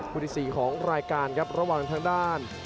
ที่๔ของรายการครับระหว่างทางด้าน